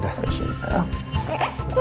udah saya ikut